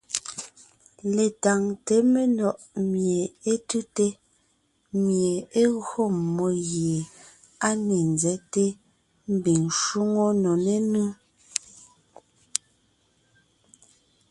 Letáŋte menɔ̀ʼ mie é tʉ́te, mie é gÿo mmó gie á ne nzɛ́te mbiŋ shwóŋo nò nénʉ́.